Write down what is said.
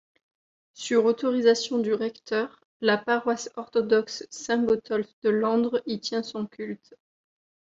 Sur autorisation du recteur, la paroisse orthodoxe Saint-Botolph de Londres y tient son culte.